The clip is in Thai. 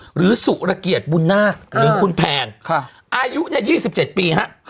หรือสุรเกียรติบุญนาคหรือคุณแพนอายุ๒๗ปีฮะ